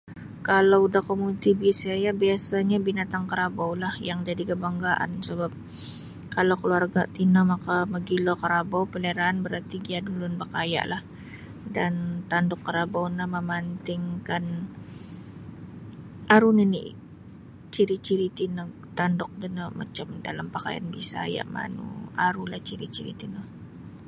Kalau da komuniti Bisaya' biasanyo binatang karabaulah yang jadi' kabanggaan sebap kalau keluarga tino maka mogilo karabau paliaraan bararti giyaan ulun no makaya'lah dan tanduk karabau no mamantingkan aru nini' ciri-ciri tino tanduk do no macam dalam pakaian Bisaya' manu arulah ciri-ciri tino.